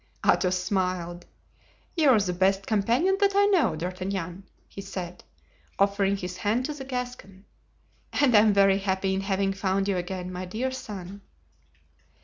Athos smiled. "You are the best companion that I know, D'Artagnan," he said, offering his hand to the Gascon; "and I am very happy in having found you again, my dear son."